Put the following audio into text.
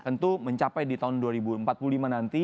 tentu mencapai di tahun dua ribu empat puluh lima nanti